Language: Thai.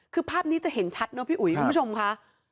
คือภาพนี้จะเห็นชัดเนอะพี่อุ๋ยคุณผู้ชมค่ะ